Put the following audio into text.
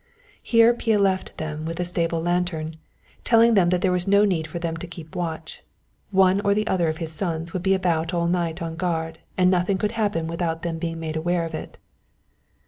Here Pia left them with a stable lantern, telling them that there was no need for them to keep watch. One or other of his sons would be about all night on guard, and nothing could happen without them being made aware of it.